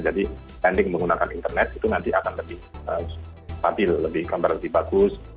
jadi standing menggunakan internet itu nanti akan lebih stabil lebih kembar lebih bagus